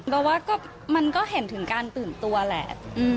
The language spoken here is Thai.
บอกว่ามันก็เห็นถึงการตื่นตัวแหละ